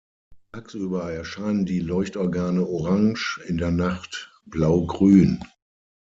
Tagsüber erscheinen die Leuchtorgane orange, in der Nacht blaugrün.